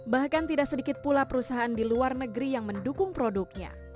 bahkan tidak sedikit pula perusahaan di luar negeri yang mendukung produknya